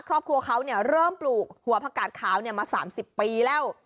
ครอบครัวเขาเริ่มปลูกหัวผักกาดขาวมา๓๐ปีแล้ว